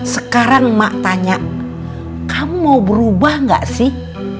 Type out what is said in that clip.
sekarang mak tanya kamu mau berubah nggak sih